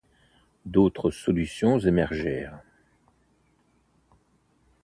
D’autres solutions émergèrent.